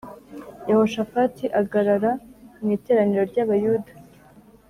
Yehoshafati agarara mu iteraniro ry Abayuda